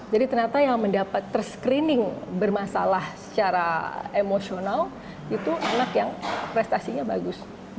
jadi ternyata yang mendapat terscreening bermasalah secara emosional itu anak yang prestasinya bagus